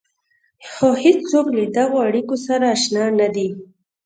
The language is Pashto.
خو هېڅوک له دغو اړيکو سره اشنا نه دي.